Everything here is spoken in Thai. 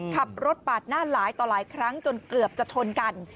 ขับรถปาดหน้าหลายต่อหลายครั้งจนเกือบจะชนกัน